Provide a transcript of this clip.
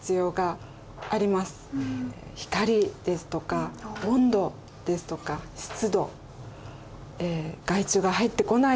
光ですとか温度ですとか湿度害虫が入ってこないようにする。